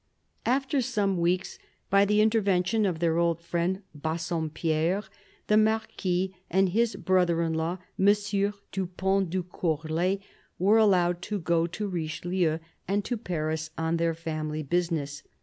After some weeks, by the intervention of their old friend Bassompierre, the Marquis and his brother in law M. du Pont de Courlay were allowed to go to Richelieu and to Paris on their family business.